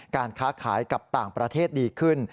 การค้าขายกับต่างประเทศดีขึ้น